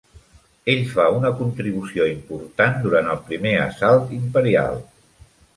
Ell fa una contribució important durant el primer assalt imperial.